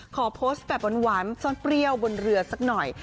ขอโพสต์แบบหวานซ่อนเปรี้ยวบนเรือสักหน่อย